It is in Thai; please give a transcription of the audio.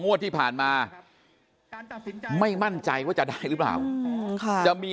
งวดที่ผ่านมาไม่มั่นใจว่าจะได้หรือเปล่าจะมี